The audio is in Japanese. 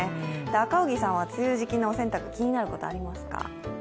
赤荻さんは梅雨時期のお洗濯気になることはありますか？